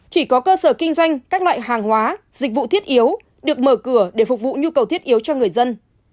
chỉ có cơ sở kinh doanh các loại hàng hóa dịch vụ thiết yếu được mở cửa để phục vụ nhu cầu thiết yếu cho người dân